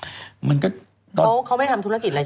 เขาไม่ทำธุรกิจอะไรใช่ไหม